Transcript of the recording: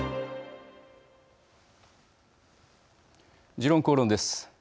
「時論公論」です。